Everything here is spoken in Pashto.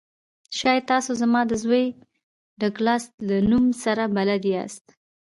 شاید تاسو زما د زوی ډګلاس له نوم سره بلد یاست